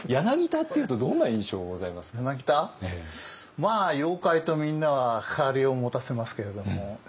まあ妖怪とみんなは関わりを持たせますけれども。